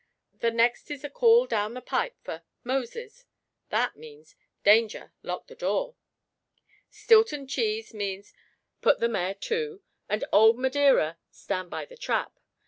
_ The next is a call down the pipe for 'Moses' that means, Danger! Lock the door. 'Stilton Cheese' means, Put the Mare to; and 'Old Madeira' _Stand by the trap.